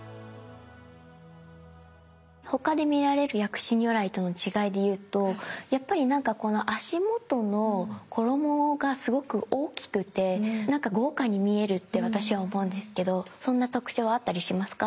他で見られる薬師如来との違いでいうとやっぱりなんかこの足元の衣がすごく大きくてなんか豪華に見えるって私は思うんですけどそんな特徴はあったりしますか？